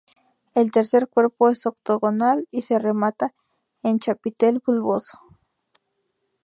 El tercer cuerpo es octogonal y se remata en chapitel bulboso.